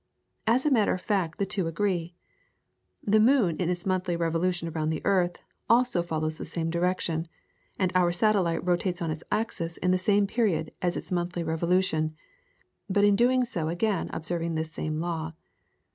As a matter of fact the two agree. The moon in its monthly revolution around the earth follows also the same direction, and our satellite rotates on its axis in the same period as its monthly revolution, but in doing so is again observing this same law.